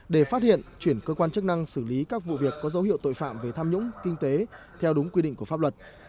để phát hiện chuyển cơ quan chức năng xử lý các vụ việc có dấu hiệu tội phạm về tham nhũng kinh tế theo đúng quy định của pháp luật